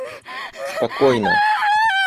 спокойно